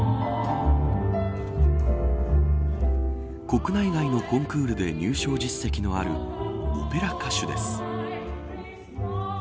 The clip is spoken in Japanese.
国内外のコンクールで入賞実績のあるオペラ歌手です。